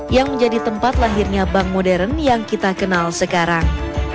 yang menjadi tempat lahirnya bank modern yang kita kenal sekarang